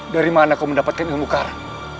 dari mana aku mendapatkan ilmu karam